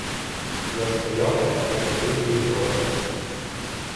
Я стояв, мов прибитий громом.